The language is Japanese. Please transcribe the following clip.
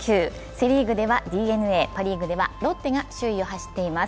セ・リーグではＤｅＮＡ、パ・リーグではロッテが首位を走っています。